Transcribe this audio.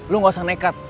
lo gak usah nekat